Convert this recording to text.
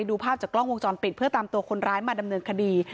ภาพจากกล้องวงจรปิดเพื่อตามตัวคนร้ายมาดำเนินคดี